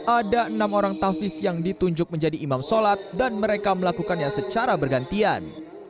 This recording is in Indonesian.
ada enam orang tafis yang ditunjuk menjadi imam sholat dan mereka melakukannya secara bergantian